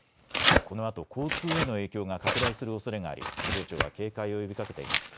このあと交通への影響が拡大するおそれがあり気象庁は警戒を呼びかけています。